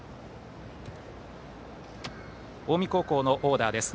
近江高校のオーダーです。